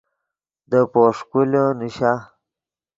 دے پوݰکولے نیشا